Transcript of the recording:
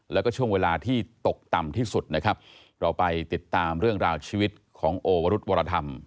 แล้วก็ช่วงเวลาที่ตกต่ำที่สุดนะครับเราไปติดตามเรื่องราวชีวิตของโอวรุธวรธรรม